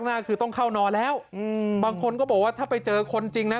มากคือต้องเข้านอนแล้วอืมบางคนก็บอกว่าถ้าไปเจอคนจริงนะ